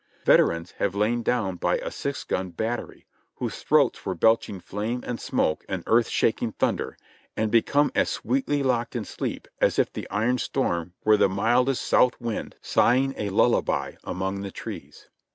Veterans have lain down by a six gun bat tery, whose throats were belching flame and smoke and earth shaking thunder, and become as sweetly locked in sleep as if the iron storm were the mildest south wind sighing a lullaby among the trees.